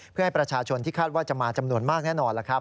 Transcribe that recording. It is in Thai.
เพื่อให้ประชาชนที่คาดว่าจะมาจำนวนมากแน่นอน